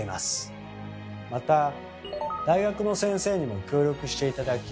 また大学の先生にも協力して頂き